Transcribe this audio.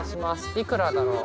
いくらだろう？